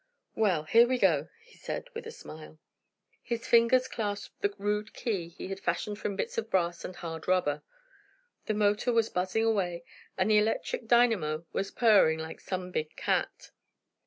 "Well, here we go," he said, with a smile. His fingers clasped the rude key he had fashioned from bits of brass and hard rubber. The motor was buzzing away, and the electric dynamo was purring like some big cat.